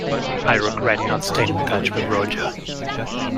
I regret not staying in touch with Roger.